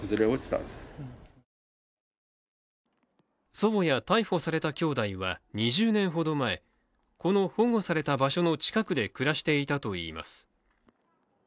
祖母や逮捕されたきょうだいは２０年ほど前、この保護された場所の近くで暮らしていたといいます。